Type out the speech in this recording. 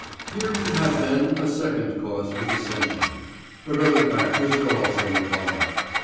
Here we have then a second cause for dissension. But other factors are also involved.